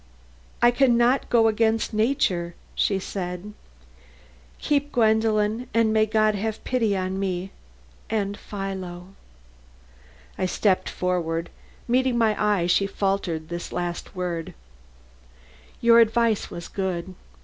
"I can not go against nature," said she. "Keep Gwendolen, and may God have pity upon me and Philo." I stepped forward. Meeting my eye, she faltered this last word: "Your advice was good.